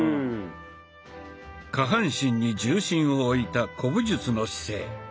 下半身に重心を置いた古武術の姿勢。